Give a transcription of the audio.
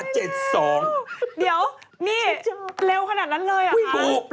เดี๋ยวนี่เร็วขนาดนั้นเลยอ่ะ